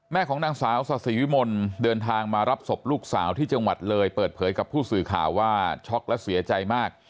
ของนางสาวศาสิวิมลเดินทางมารับศพลูกสาวที่จังหวัดเลยเปิดเผยกับผู้สื่อข่าวว่าช็อกและเสียใจมาก